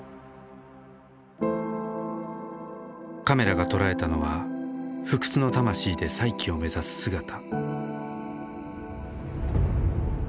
カメラが捉えたのは不屈の魂で再起を目指す姿。